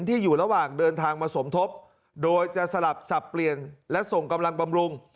ที่อยู่ระหว่างเดินทางมาสมทบโดยจะสลับสับเปลี่ยนและส่งกำลังบำรุง